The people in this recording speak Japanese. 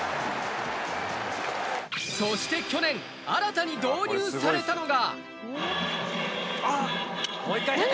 そして去年、新たに導入されたのが。